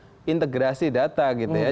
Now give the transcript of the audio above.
jadi kita integrasi data gitu ya